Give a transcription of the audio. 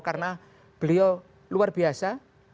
karena beliau luar biasa